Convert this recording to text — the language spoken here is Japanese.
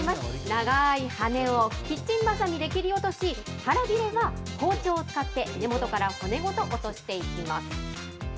長い羽をキッチンばさみで切り落とし、腹びれは包丁を使って根元から骨ごと落としていきます。